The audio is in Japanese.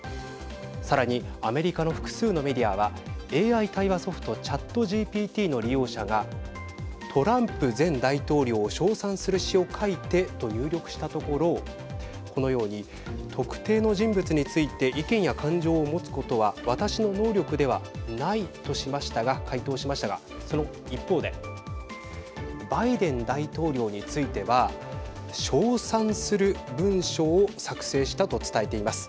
さらにアメリカの複数のメディアはＡＩ対話ソフトＣｈａｔＧＰＴの利用者がトランプ前大統領を称賛する詩を書いてと入力したところこのように、特定の人物について意見や感情を持つことは私の能力ではないと回答しましたがその一方でバイデン大統領については称賛する文章を作成したと伝えています。